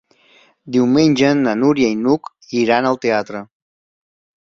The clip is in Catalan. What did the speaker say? Diumenge na Núria i n'Hug iran al teatre.